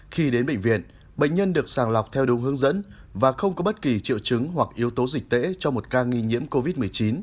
khi đến bệnh viện bệnh nhân được sàng lọc theo đúng hướng dẫn và không có bất kỳ triệu chứng hoặc yếu tố dịch tễ cho một ca nghi nhiễm covid một mươi chín